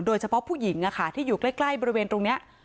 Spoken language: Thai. โดยเฉพาะผู้หญิงที่อยู่ใกล้บริเวณตรงนี้